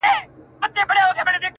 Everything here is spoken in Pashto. په نارو د بيزو وان خوا ته روان سو٫